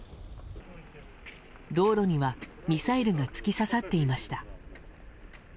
道路にはミサイルが突き刺さっていました。